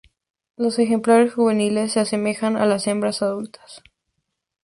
Los ejemplares juveniles se asemejan a las hembras adultas.